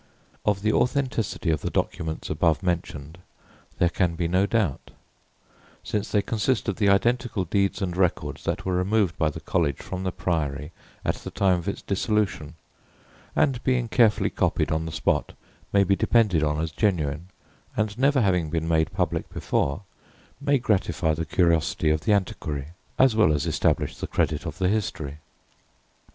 Of the authenticity of the documents above mentioned there can be no doubt, since they consist of the identical deeds and records that were removed to the College from the Priory at the time of its dissolution; and, being carefully copied on the spot, may be depended on as genuine; and, never having been made public before, may gratify the curiosity of the antiquary, as well as establish the credit of the history.